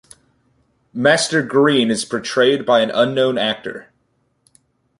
Master Green is portrayed by an unknown actor.